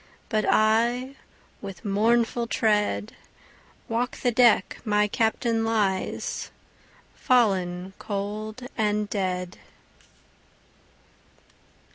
But I with mournful tread, Walk the deck my Captain lies, Fallen cold and dead.